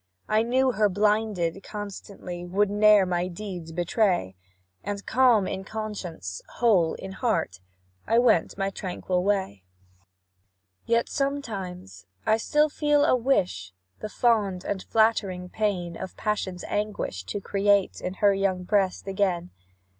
I knew her blinded constancy Would ne'er my deeds betray, And, calm in conscience, whole in heart. I went my tranquil way. "Yet, sometimes, I still feel a wish, The fond and flattering pain Of passion's anguish to create In her young breast again.